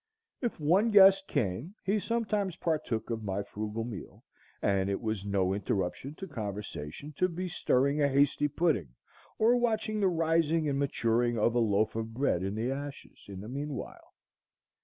If one guest came he sometimes partook of my frugal meal, and it was no interruption to conversation to be stirring a hasty pudding, or watching the rising and maturing of a loaf of bread in the ashes, in the mean while.